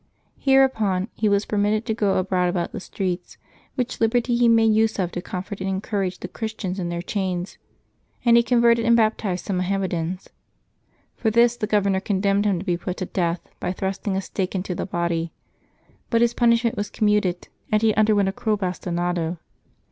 Hereupon he was permitted to go abroad about the streets, which liberty he made use of to comfort and encourage the Christians in their chains, and he converted and baptized some Moham medans. For this the governor condemned him to be put to death by thrusting a stake into the body, but his punish ment was commuted, and he underwent a cruel bastinado.